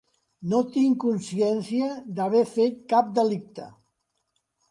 No tinc consciència d'haver fet cap delicte.